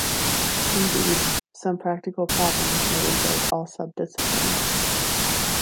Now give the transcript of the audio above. Indeed, some practical problems may invoke all sub-disciplines.